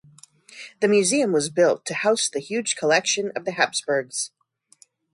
The Museum was built to house the huge collection of the Habsburgs.